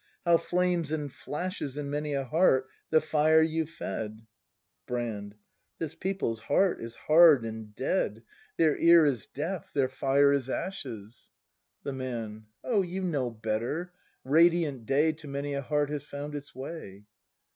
How flames and flashes In many a heart the fire you've fed ! Brand. This people's heart is hard and dead! Their ear is deaf, their fire is ashes! ACT III] BRAND 145 The Man. O, you know better; — radiant day To many a heart has found its way.